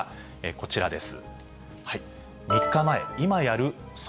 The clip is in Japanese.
こちらです。